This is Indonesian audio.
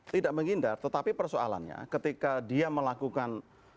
tidak menghindar tetapi persoalannya ketika dia melakukan